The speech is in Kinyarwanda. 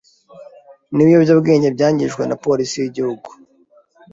n’ibiyobyabwenge byangijwe na polisi yigihugu